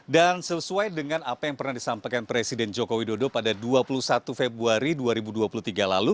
dan sesuai dengan apa yang pernah disampaikan presiden joko widodo pada dua puluh satu februari dua ribu dua puluh tiga lalu